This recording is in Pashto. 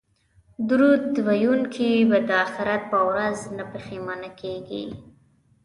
درود ویونکی به د اخرت په ورځ نه پښیمانه کیږي